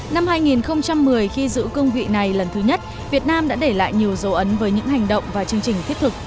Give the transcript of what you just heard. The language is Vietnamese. năm hai nghìn một mươi khi giữ cương vị này lần thứ nhất việt nam đã để lại nhiều dấu ấn với những hành động và chương trình thiết thực